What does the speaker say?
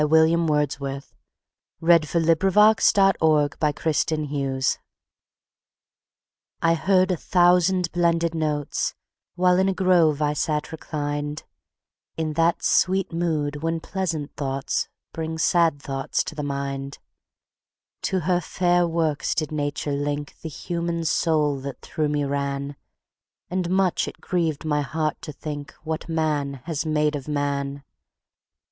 William Wordsworth Lines Written in Early Spring I HEARD a thousand blended notes, While in a grove I sate reclined, In that sweet mood when pleasant thoughts Bring sad thoughts to the mind. To her fair works did Nature link The human soul that through me ran; And much it grieved my heart to think What man has made of man.